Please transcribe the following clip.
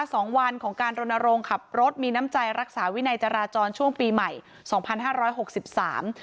สองวันของการรณรงค์ขับรถมีน้ำใจรักษาวินัยจราจรช่วงปีใหม่สองพันห้าร้อยหกสิบสาม